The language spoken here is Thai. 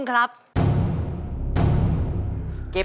โดราเอมอน